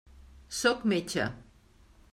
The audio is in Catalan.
Sóc metge.